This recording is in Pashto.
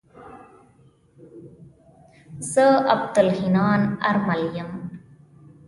زه عبدالحنان آرمل يم.